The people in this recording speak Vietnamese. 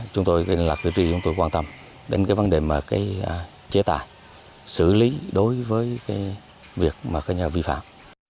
chúng tôi là cử tri chúng tôi quan tâm đến cái vấn đề mà cái chế tài xử lý đối với cái việc mà coi như là vi phạm